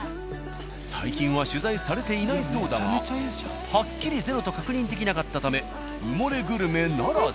最近は取材されていないそうだがはっきりゼロと確認できなかったため埋もれグルメならず。